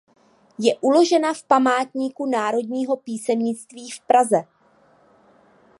Je uložena v Památníku Národního písemnictví v Praze.